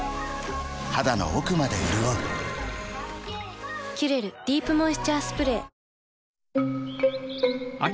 肌の奥まで潤う「キュレルディープモイスチャースプレー」